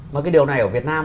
mà cái điều này ở việt nam